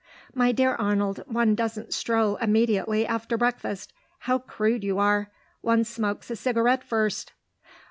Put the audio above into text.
"My dear Arnold, one doesn't stroll immediately after breakfast; how crude you are. One smokes a cigarette first."